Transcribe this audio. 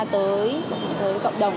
tới cộng đồng